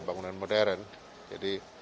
bangunan modern jadi